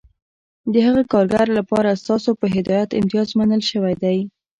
د هغه کارګر لپاره ستاسو په هدایت امتیاز منل شوی دی